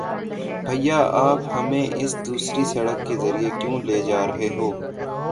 بھیا، آپ ہمیں اس دوسری سڑک کے ذریعے کیوں لے جا رہے ہو؟